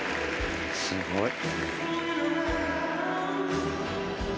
すごい。